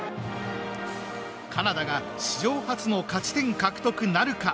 カナダが史上初の勝ち点獲得なるか？